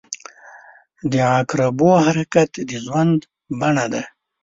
• د عقربو حرکت د ژوند بڼه ده.